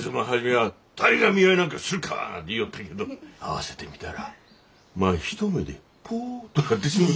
あ誰が見合いなんかするか言ようったけど会わせてみたらまあ一目でポッとなってしもうて。